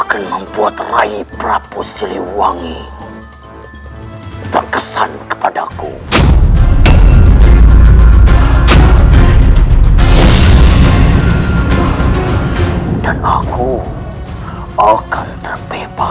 karena dia itu sangat kaget saat aku datang